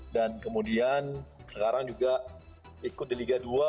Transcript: dan kemudian sekarang juga ikut di liga dua